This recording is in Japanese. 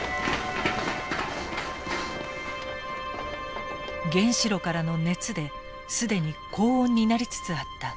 原子炉からの熱で既に高温になりつつあった現場。